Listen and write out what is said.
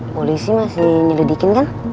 polisi masih diselidikin kan